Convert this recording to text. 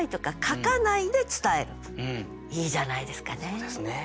そうですね。